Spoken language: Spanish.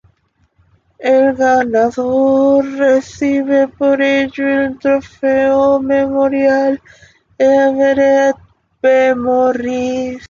El ganador recibe por ello el Trofeo Memorial Everett B. Morris.